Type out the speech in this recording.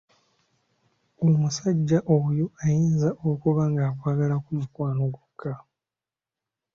Omusajja oyo ayinza okuba nga akwagalako mukwano gwokka.